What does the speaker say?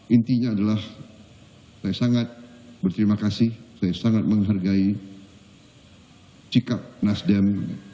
intinya adalah saya sangat berterima kasih saya sangat menghargai sikap nasdem